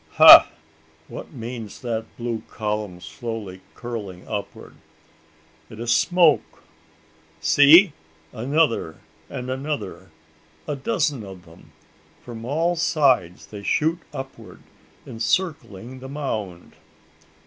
Ha! what means that blue column slowly curling upward? It is smoke! See! Another and another a dozen of them! From all sides they shoot upward, encircling the mound!